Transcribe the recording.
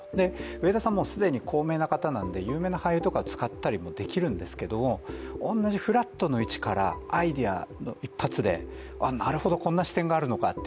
上田さん、もうすでに高名な方なので有名な俳優さんを使ったりもできるんですけども同じフラットの位置からアイデア一発で、なるほどこんな視点があるのかと。